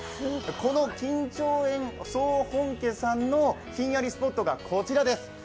この金蝶園総本家さんのひんやりスポットがこちらです。